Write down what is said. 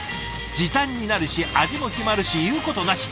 時短になるし味も決まるし言うことなし！